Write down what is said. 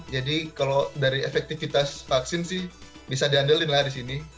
jadi kalau dari efektivitas vaksin sih bisa diandalkan lah di sini